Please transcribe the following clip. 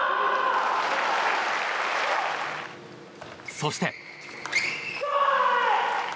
そして。